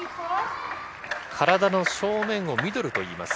体の正面をミドルといいます。